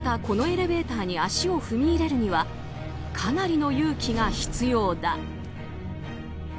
仕事とはいえまた、このエレベーターに足を踏み入れるにはかなりの勇気が必要だ。